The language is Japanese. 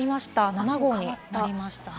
７号になりました。